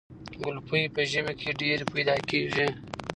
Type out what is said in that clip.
ګلپي په ژمي کې ډیر پیدا کیږي.